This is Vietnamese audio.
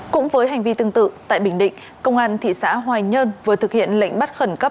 cũng với hành vi tương tự tại bình định công an thị xã hoài nhơn vừa thực hiện lệnh bắt khẩn cấp